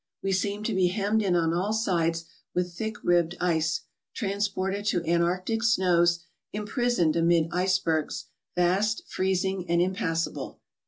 We seemed to be hemmed in on all sides with thick ribbed ice, transported to antarctic snows, imprisoned amid icebergs, vast, freezing, and impassable.